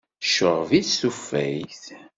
Tceɣɣeb-itt tufayt.